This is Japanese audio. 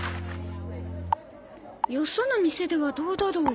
よその店ではどうだろう？